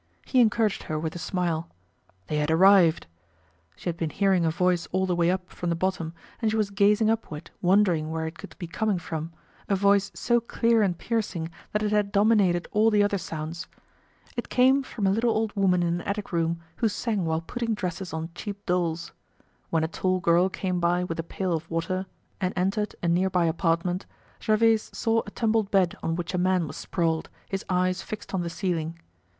He encouraged her with a smile; they had arrived! She had been hearing a voice all the way up from the bottom and she was gazing upward, wondering where it could be coming from, a voice so clear and piercing that it had dominated all the other sounds. It came from a little old woman in an attic room who sang while putting dresses on cheap dolls. When a tall girl came by with a pail of water and entered a nearby apartment, Gervaise saw a tumbled bed on which a man was sprawled, his eyes fixed on the ceiling.